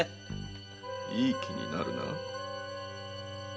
いい気になるなよ。